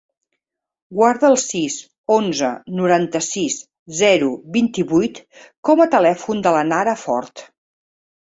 Guarda el sis, onze, noranta-sis, zero, vint-i-vuit com a telèfon de la Nara Fort.